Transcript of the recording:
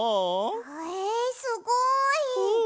えすごい。